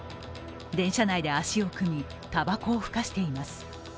電車内で足を組み、たばこをふかしています。